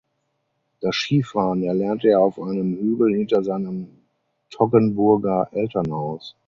Das Skifahren erlernte er auf einem Hügel hinter seinem Toggenburger Elternhaus.